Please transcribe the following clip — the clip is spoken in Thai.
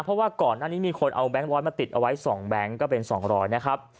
เพราะว่าก่อนหน้านี้มีคนเอาแก๊งร้อยมาติดเอาไว้๒แบงค์ก็เป็น๒๐๐นะครับ